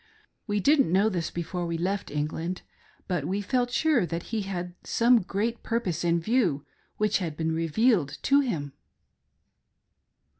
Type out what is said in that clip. We didn't know this before we left England, but we felt sure that he had some great purpose in view which had been revealed to him."